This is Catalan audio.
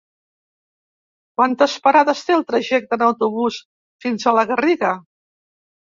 Quantes parades té el trajecte en autobús fins a la Garriga?